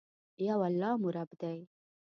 یو الله مو رب دي.